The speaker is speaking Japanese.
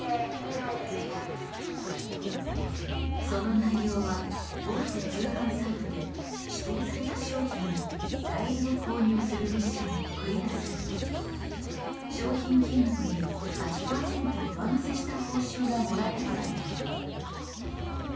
その内容は大手通販サイトで指定された商品を代理で購入するミッションをクリアすると商品金額に８％上乗せした報酬がもらえるというもの。